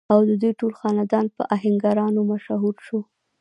او ددوي ټول خاندان پۀ اهنګرانو مشهور شو ۔